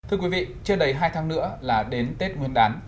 thưa quý vị chưa đầy hai tháng nữa là đến tết nguyên đán